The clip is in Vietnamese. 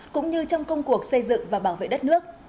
cũng như trong công cuộc xây dựng và bảo vệ đất nước